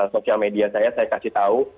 sosial media saya saya kasih tahu